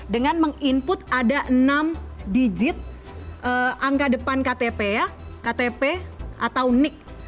dengan meng input ada enam digit angka depan ktp ya ktp atau nik